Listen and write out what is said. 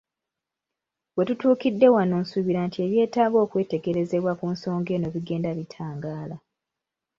We tutuukidde wano nsuubira nti ebyetaaga okwetegerezebwa ku nsonga eno bigenda bitangaala.